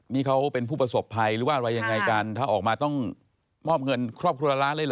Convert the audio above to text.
นี่เขาเป็นผู้ประสบภัยหรือว่าอะไรยังไงกันถ้าออกมาต้องมอบเงินครอบครัวละล้านเลยเห